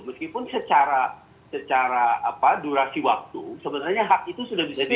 meskipun secara durasi waktu sebenarnya hak itu sudah bisa